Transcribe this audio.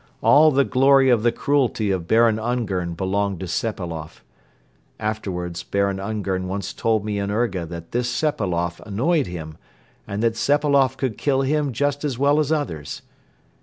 All the glory of the cruelty of Baron Ungern belonged to Sepailoff. Afterwards Baron Ungern once told me in Urga that this Sepailoff annoyed him and that Sepailoff could kill him just as well as others.